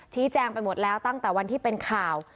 แจ้งไปหมดแล้วตั้งแต่วันที่เป็นข่าว